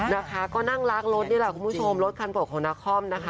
นะคะก็นั่งล้างรถนี่แหละคุณผู้ชมรถคันโปรดของนาคอมนะคะ